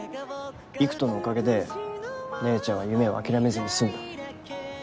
偉人のおかげで姉ちゃんは夢を諦めずに済んだ。